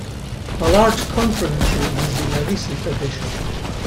A large conference room has been a recent addition.